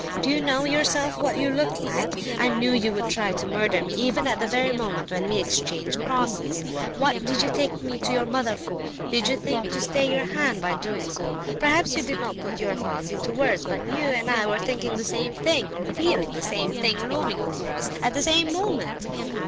Do you know yourself what you looked like? I knew you would try to murder me even at the very moment when we exchanged crosses. What did you take me to your mother for? Did you think to stay your hand by doing so? Perhaps you did not put your thoughts into words, but you and I were thinking the same thing, or feeling the same thing looming over us, at the same moment.